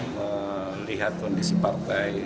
melihat kondisi partai